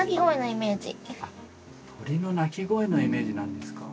あっ鳥の鳴き声のイメージなんですか。